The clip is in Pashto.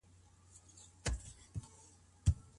د حلال او حرام په منځ کي فرق څنګه څرګندېږي؟